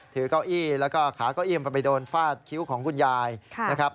ถือเก้าอี้และขาเก้าอี้กำลังไปโดนฟาดคิ้วของรถของคุณยาย